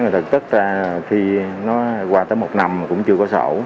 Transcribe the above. thực tất ra khi nó qua tới một năm mà cũng chưa có sổ